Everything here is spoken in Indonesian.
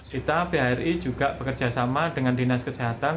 kita phri juga bekerjasama dengan dinas kesehatan